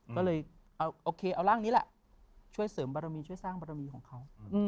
ก็เลยโอเคเอาร่างนี้แหละช่วยเสริมบารมีช่วยสร้างบรมีของเขา